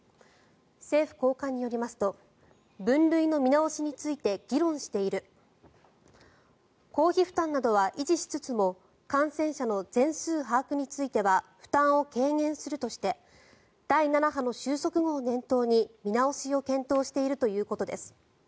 政府高官によりますと分類の見直しについて議論している公費負担などは維持しつつも感染者の全数把握については負担を軽減するとして第７波の収束後を念頭に見直しを検討しているということです。